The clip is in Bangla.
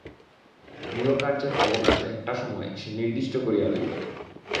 গৃহকার্যের অবকাশে একটা সময় সে নির্দিষ্ট করিয়া লইল।